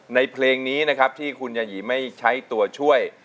เพลงนี้นะครับที่คุณยายีไม่ใช้ตัวช่วย